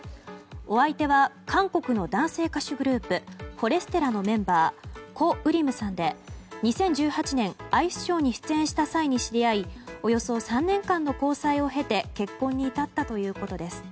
お相手は韓国の男性歌手グループＦＯＲＥＳＴＥＬＬＡのメンバー、コ・ウリムさんで２０１８年アイスショーに出演した際に知り合いおよそ３年間の交際を経て結婚に至ったということです。